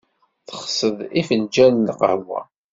Texsed lfenjal n qahwa?